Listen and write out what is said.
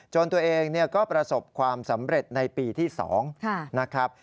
ตัวเองก็ประสบความสำเร็จในปีที่๒นะครับ